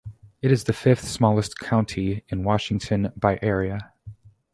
It is the fifth-smallest county in Washington by area.